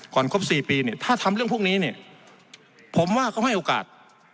ก่อนครบ๔ปีถ้าทำเรื่องพวกนี้ผมว่าก็ให้โอกาส